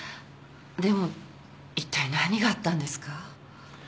でもいったい何があったんですか？